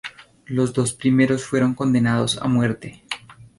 Los dos primeros fueron condenados a muerte.